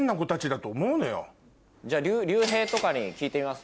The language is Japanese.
じゃリュウヘイとかに聞いてみます？